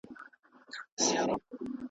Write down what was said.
لکه شمع غوندي بل وي د دښمن پر زړه اور بل وي .